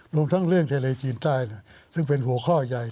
รวมทั้งเรื่องไทยในจีนใต้น่ะซึ่งเป็นหัวข้อใหญ่ค่ะ